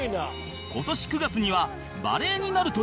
今年９月にはバレエになるという